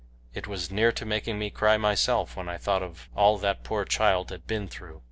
It was near to making me cry myself when I thought of all that poor child had been through.